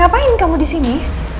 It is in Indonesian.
ngapain kamu disini